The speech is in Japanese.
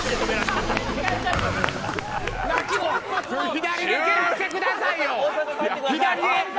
左で蹴らしてくださいよ！